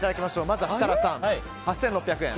まずは設楽さん、８６００円。